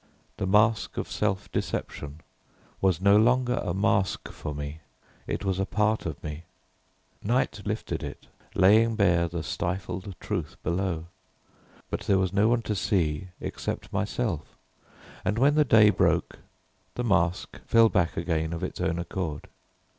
The mask of self deception was no longer a mask for me, it was a part of me. Night lifted it, laying bare the stifled truth below; but there was no one to see except myself, and when the day broke the mask fell back again of its own accord.